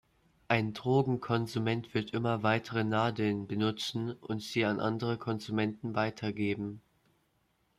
Ein Drogenkonsument wird immer weitere Nadeln benutzen und sie an andere Konsumenten weitergeben.